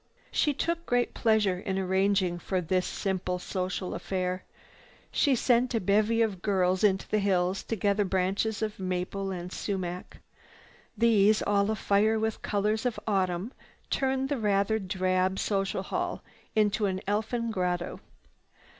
She took great pleasure in arranging for this simple social affair. She sent a bevy of girls into the hills to gather branches of maple and sumac. These, all afire with colors of autumn, turned the rather drab social hall into an elfin grotto.